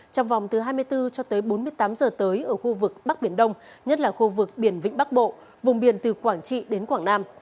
trong vòng từ hai mươi bốn cho tới bốn mươi tám giờ tới ở khu vực bắc biển đông nhất là khu vực biển vĩnh bắc bộ vùng biển từ quảng trị đến quảng nam